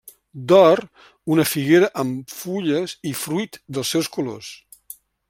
D'or, una figuera amb fulles i fruit dels seus colors.